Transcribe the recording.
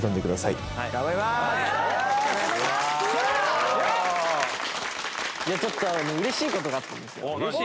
いやちょっとうれしい事があったんですよ。